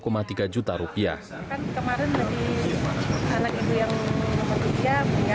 kan kemarin lagi anak ibu yang ke tiga meninggal di sini juga